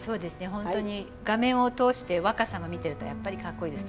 本当に画面を通して若さま見てるとやっぱり格好いいです。